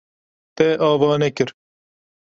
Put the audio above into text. Te ava nekir.